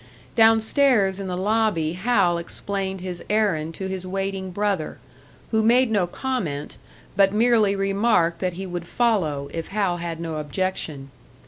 Downstairs in the lobby Hal explained his errand to his waiting brother, who made no comment, but merely remarked that he would follow, if Hal had no objection.